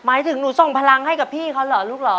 หมายถึงหนูส่งพลังให้กับพี่เขาเหรอลูกเหรอ